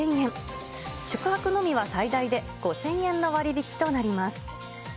宿泊のみは最大で５０００円の割引となります。